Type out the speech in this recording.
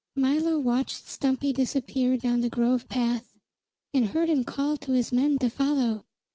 Milo watched Stumpy disappear down the grove path, and heard him call to his men to follow.